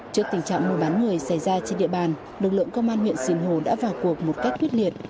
trước tình trạng mùa bán người xảy ra trên địa bàn lực lượng công an huyện sinh hồ đã vào cuộc một cách quyết liệt